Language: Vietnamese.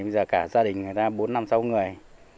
bây giờ cả gia đình người ta bốn năm sáu người